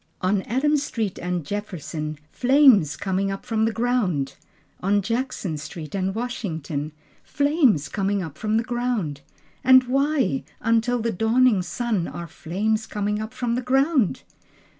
On Adams street and Jefferson Flames coming up from the ground! On Jackson street and Washington Flames coming up from the ground! And why, until the dawning sun Are flames coming up from the ground?